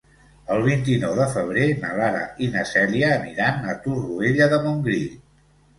El vint-i-nou de febrer na Lara i na Cèlia aniran a Torroella de Montgrí.